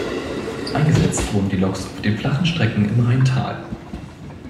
Eingesetzt wurden die Loks auf den flachen Strecken im Rheintal.